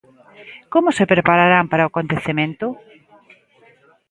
Como se prepararán para o acontecemento?